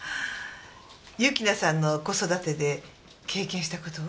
由樹奈さんの子育てで経験した事を？